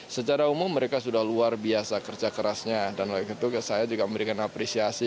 secara umum mereka sudah luar biasa kerja kerasnya dan itu saya juga memberikan apresiasi